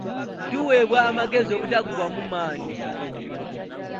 Tuweebwa amagezi obutaggwaamu maanyi.